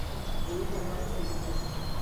หรือจะทำสีผม